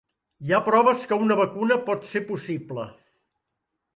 Hi ha proves que una vacuna pot ser possible.